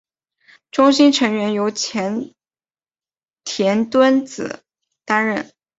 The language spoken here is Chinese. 中心成员由前田敦子担当。